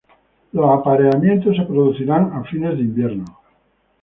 Los apareamientos se producirían a fines de invierno.